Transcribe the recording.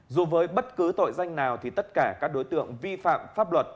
dù với bất cứ tội danh nào thì tất cả các đối tượng vi phạm pháp luật